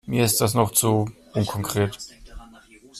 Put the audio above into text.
Mir ist das noch zu unkonkret.